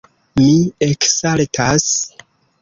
Mi eksaltas.